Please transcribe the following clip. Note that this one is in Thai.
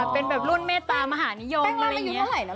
เป็นรุ่นเมตตามหาหนิยม